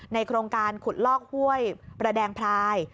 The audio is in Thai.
โครงการขุดลอกห้วยประแดงพลาย